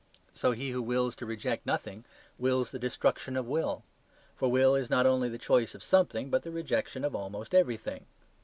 So he who wills to reject nothing, wills the destruction of will; for will is not only the choice of something, but the rejection of almost everything.